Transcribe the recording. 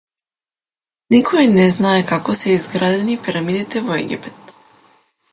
Никој не знае како се изградени пирамидите во Египет.